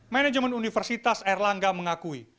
manajemen universitas air langga mengakui